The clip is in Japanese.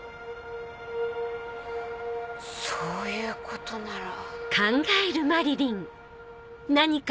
そういうことなら。